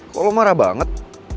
kok lo marah banget